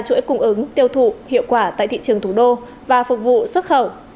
chủ yếu cung ứng tiêu thụ hiệu quả tại thị trường thủ đô và phục vụ xuất khẩu